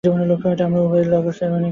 আমরা উভয়েই লণ্ডনে এসে খুব আনন্দ করেছি।